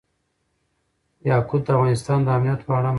یاقوت د افغانستان د امنیت په اړه هم اغېز لري.